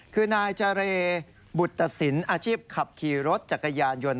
คือนายเจรบุตตสินอาชีพขับขี่รถจักรยานยนต์